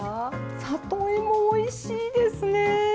里芋おいしいですね！